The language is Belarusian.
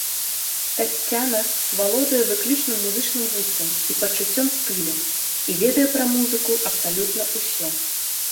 Таццяна валодае выключным музычным густам і пачуццём стылю, і ведае пра музыку абсалютна ўсё.